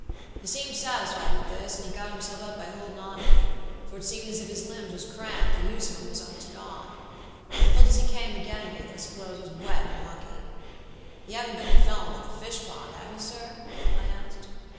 "He seemed satisfied with this, and he got himself up by holdin' on to me, for it seemed as if his limbs was cramped, the use of 'em was almost gone. I felt as he came agen me, that his clothes was wet and mucky. "'You haven't been and fell into the fish pond, have you, sir?' I asked.